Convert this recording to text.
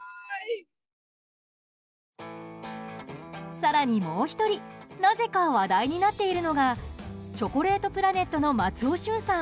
更にもう１人なぜか話題になっているのがチョコレートプラネットの松尾駿さん。